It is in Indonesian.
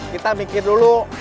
kita mikir dulu